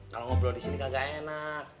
kalau ngobrol di sini kagak enak